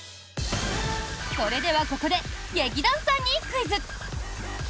それではここで劇団さんにクイズ！